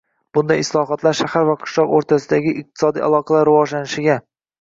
Bunday islohot shahar va qishloq o‘rtasidagi iqtisodiy aloqalar rivojlanishiga